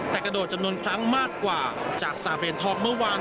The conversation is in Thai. แต่กระโดดจำนวนครั้งมากกว่าจาก๓เหรียญทองเมื่อวาน